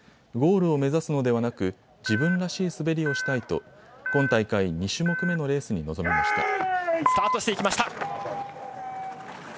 ゴールを目指すのではなく自分らしい滑りをしたいと今大会、２種目目のレースに臨みました。